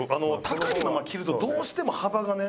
高いまま切るとどうしても幅がね。